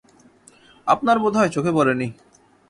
আপনার বোধহয় চোখে পড়ে নি।